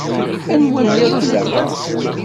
Anwa nniḍen daɣen?